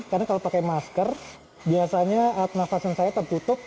karena kalau pakai masker biasanya alat nafas yang saya tertutup